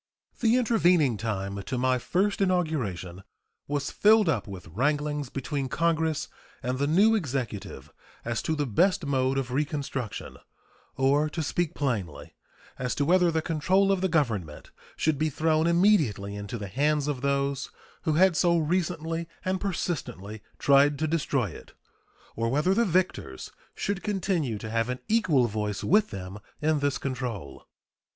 The intervening time to my first inauguration was filled up with wranglings between Congress and the new Executive as to the best mode of "reconstruction," or, to speak plainly, as to whether the control of the Government should be thrown immediately into the hands of those who had so recently and persistently tried to destroy it, or whether the victors should continue to have an equal voice with them in this control.